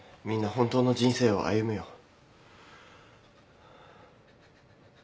みんな本当の人生を歩むよ。